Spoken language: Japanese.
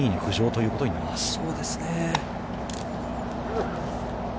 そうですね。